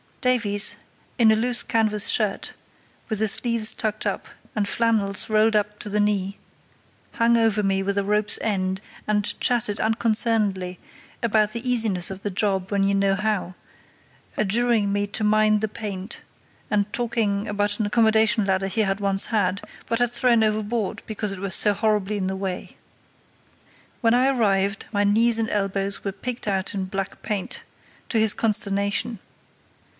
Davies, in a loose canvas shirt, with the sleeves tucked up, and flannels rolled up to the knee, hung over me with a rope's end, and chatted unconcernedly about the easiness of the job when you know how, adjuring me to mind the paint, and talking about an accommodation ladder he had once had, but had thrown overboard because it was so horribly in the way. When I arrived, my knees and elbows were picked out in black paint, to his consternation.